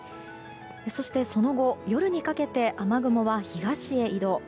そして、その後夜にかけて雨雲は東へ移動。